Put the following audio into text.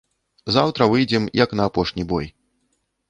Заўтра выйдзем, як на апошні бой.